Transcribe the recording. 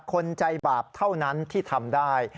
คนใจบาปเท่านั้นที่ทำได้